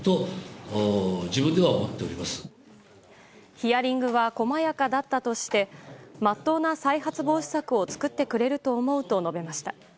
ヒアリングは細やかだったとしてまっとうな再発防止策を作ってくれると思うと述べました。